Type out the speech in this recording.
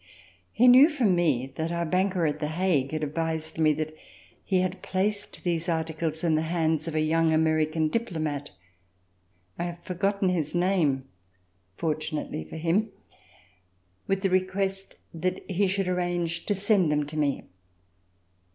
He knew from me that our banker at The Hague had advised me that he had placed these articles in the hands of a young American diplomat (I have for RECOLLECTIONS OF THE REVOLUTION gotten his name, fortunately for him) with the request that he should arrange to send them to me.